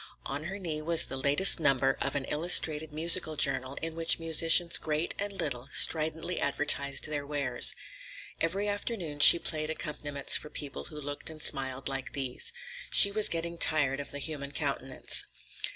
On her knee was the latest number of an illustrated musical journal in which musicians great and little stridently advertised their wares. Every afternoon she played accompaniments for people who looked and smiled like these. She was getting tired of the human countenance.